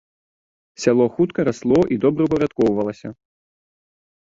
Сяло хутка расло і добраўпарадкоўвалася.